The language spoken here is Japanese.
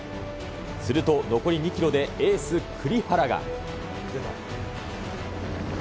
すると残り２キロでエース、栗原が。